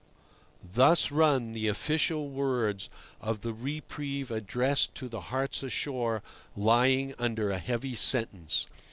Thus run the official words of the reprieve addressed to the hearts ashore lying under a heavy sentence.